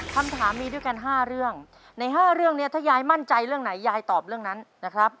คำถามมีด้วยกัน๕เรื่องใน๕เรื่องนี้ถ้ายายมั่นใจเรื่องไหนยายตอบเรื่องนั้นนะครับ